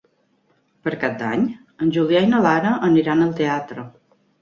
Per Cap d'Any en Julià i na Lara aniran al teatre.